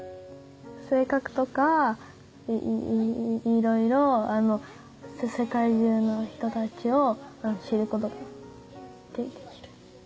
性格とかいろいろ世界中の人たちを知ることができる。